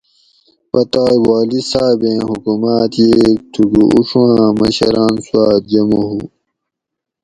پتایٔ والی صاۤبیں حکوماۤت ییگ تھوکو اڛواۤں مشراۤن سواۤ جمع ہو